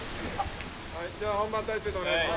じゃあ本番態勢でお願いします。